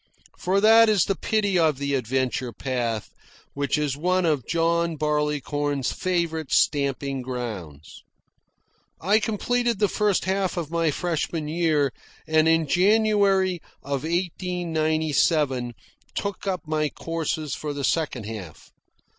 For that is the pity of the adventure path, which is one of John Barleycorn's favourite stamping grounds. I completed the first half of my freshman year, and in January of 1897 took up my courses for the second half.